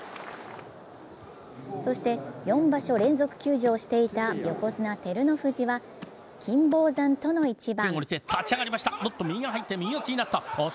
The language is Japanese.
そして、４場所連続休場していた横綱・照ノ富士は、金峰山との一番。